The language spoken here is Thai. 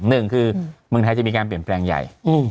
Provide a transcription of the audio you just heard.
หนึ่งคือเมืองไทยจะมีการเปลี่ยนแปลงใหญ่